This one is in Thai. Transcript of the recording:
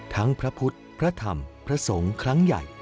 พระพุทธพระธรรมพระสงฆ์ครั้งใหญ่